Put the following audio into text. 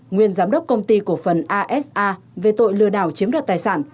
nguyên giám đốc công ty cổ phần asa về tội lừa đảo chiếm đoạt tài sản